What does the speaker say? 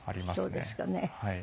そうですかね。